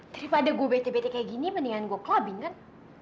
daripada gue beti bete kayak gini mendingan gue clubbing kan